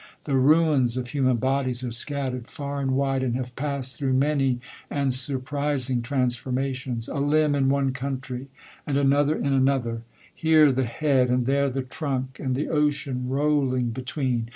The ruins of human bodies are scattered far and wide, and have passed through many, and surprising transformations. A limb in one country, and another in another ; here the head, and there the trunk ; and the ocean rolling between.